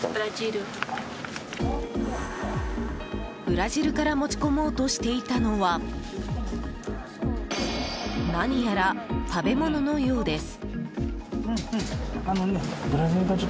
ブラジルから持ち込もうとしていたのは何やら食べ物のようです。